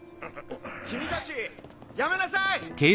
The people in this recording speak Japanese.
・君たちやめなさい！